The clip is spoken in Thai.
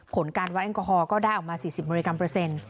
ผลการวัดแอลกอฮอลก็ได้ออกมา๔๐มิลลิกรัมเปอร์เซ็นต์